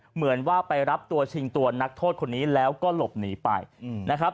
เหมือนว่าไปรับตัวชิงตัวนักโทษคนนี้แล้วก็หลบหนีไปนะครับ